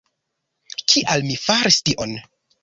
Kial mi faris tion?